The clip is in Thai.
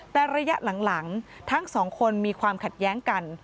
แต่ระยะหลังทั้งสองคนมีความขัดแย้งกัน